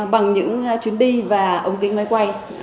bằng những chuyến đi và ống kính máy quay